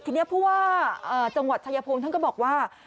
ทีนี้เพราะว่าจังหวัดชายพรุงท่านก็บอกว่า